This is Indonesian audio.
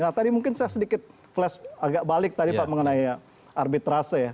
nah tadi mungkin saya sedikit flash agak balik tadi pak mengenai arbitrase ya